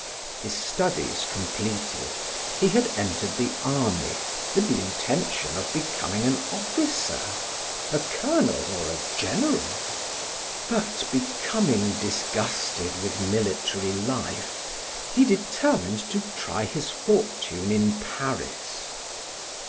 His studies completed, he had entered the army with the intention of becoming an officer, a colonel, or a general. But becoming disgusted with military life, he determined to try his fortune in Paris.